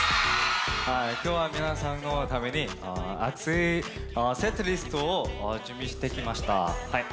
今日は皆さんのために熱いセットリストを準備してきました。